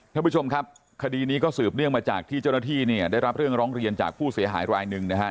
ท่านผู้ชมครับคดีนี้ก็สืบเนื่องมาจากที่เจ้าหน้าที่เนี่ยได้รับเรื่องร้องเรียนจากผู้เสียหายรายหนึ่งนะฮะ